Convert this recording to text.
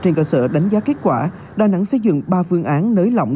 nhờ đánh giá kết quả đà nẵng xây dựng ba phương án nới lỏng